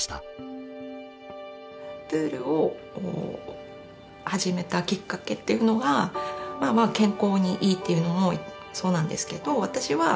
プールを始めたきっかけっていうのが健康にいいっていうのもそうなんですけど私は。